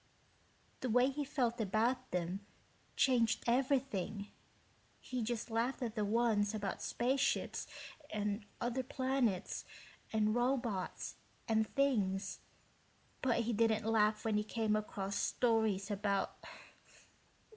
"The way he felt about them changed everything. He just laughed at the ones about space ships and other planets and robots and things, but he didn't laugh when came across stories about